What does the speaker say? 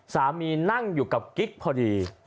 นั่งอยู่กับกิ๊กพอดี